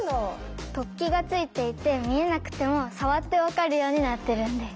突起がついていて見えなくても触って分かるようになってるんです。